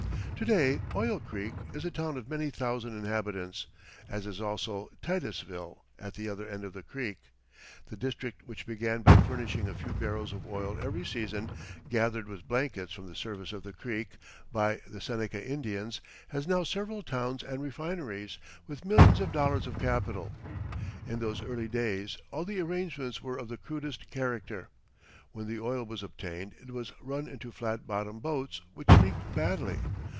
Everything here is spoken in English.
To day Oil Creek is a town of many thousand inhabitants, as is also Titusville at the other end of the creek. The district which began by furnishing a few barrels of oil every season, gathered with blankets from the surface of the creek by the Seneca Indians, has now several towns and refineries, with millions of dollars of capital. In those early days all the arrangements were of the crudest character. When the oil was obtained it was run into flat bottomed boats which leaked badly.